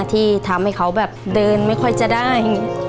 ที่ทำให้เขาแบบเดินไม่ค่อยจะได้